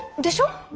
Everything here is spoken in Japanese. でしょ？